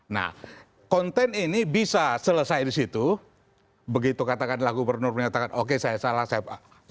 nah konten ini bisa selesai di situ begitu katakanlah gubernur menyatakan oke saya salah saya